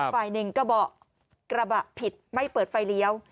ฝ่ายหนึ่งก็บอกกระบะผิดไม่เปิดไฟเลี้ยว